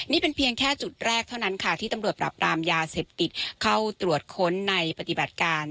นี่เป็นเพียงแค่จุดแรกเท่านั้นค่ะที่ตำรวจปรับปรามยาเสพติดเข้าตรวจค้นในปฏิบัติการ